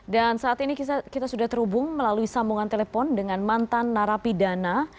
dan saat ini kita sudah terhubung melalui sambungan telepon dengan mantan narapidana